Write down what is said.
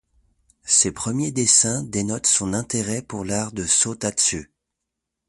Ses premiers dessins dénotent son intérêt pour l'art de Sōtatsu.